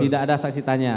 tidak ada saksi tanya